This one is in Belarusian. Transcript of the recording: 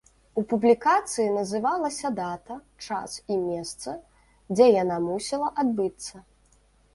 У публікацыі называлася дата, час і месца, дзе яна мусіла адбыцца.